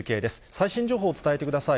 最新情報を伝えてください。